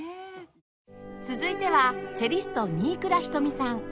続いてはチェリスト新倉瞳さん